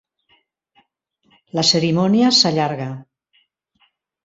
La cerimònia s'allarga.